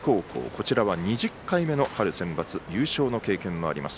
こちらは２０回目の春センバツ優勝の経験もあります。